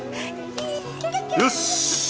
よし！